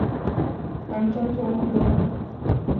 Онтон толын пура.